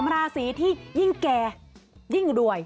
ราศีที่ยิ่งแก่ยิ่งรวย